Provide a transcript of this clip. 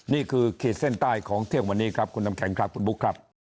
ขีดเส้นใต้ของเที่ยงวันนี้ครับคุณน้ำแข็งครับคุณบุ๊คครับ